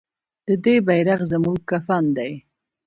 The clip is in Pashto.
د دې بیرغ زموږ کفن دی